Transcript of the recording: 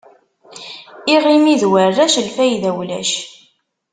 Iɣimi d warrac, lfayda ulac.